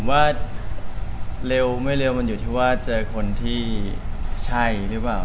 ผมว่าเร็วไม่เร็วมันอยู่ที่ว่าเจอคนที่ใช่หรือเปล่า